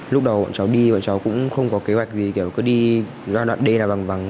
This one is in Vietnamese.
lúc đầu bọn cháu đi bọn cháu cũng không có kế hoạch gì kiểu cứ đi ra đoạn đê là bằng bằng